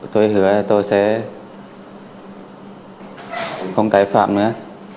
tôi hứa tôi sẽ không tái phạm nữa